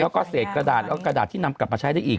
แล้วก็เศษกระดาษแล้วก็กระดาษที่นำกลับมาใช้ได้อีก